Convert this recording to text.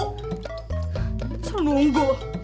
kenapa lu nunggu